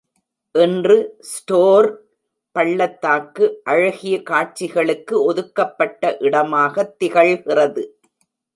இன்று ஸ்டோர் பள்ளத்தாக்கு அழகிய காட்சிகளுக்கு ஒதுக்கப்பட்ட இடமாகத் திகழ்கிறது.